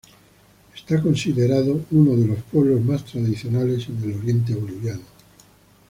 Es considerada uno de los pueblos más tradicionales en el oriente boliviano.